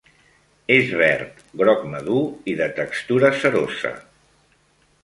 És verd, groc madur i de textura cerosa.